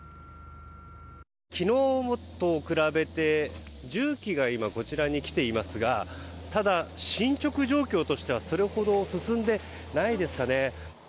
昨日と比べて重機が今、こちらに来ていますがただ、進捗状況としてはそれほど進んでいないですかね。